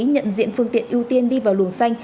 nhận diện phương tiện ưu tiên đi vào luồng xanh